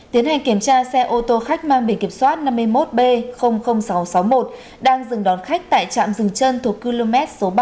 tiến hành kiểm tra xe ô tô khách mang bình kiểm soát năm mươi một b sáu trăm sáu mươi một đang dừng đón khách tại trạm rừng chân thuộc km một mươi sáu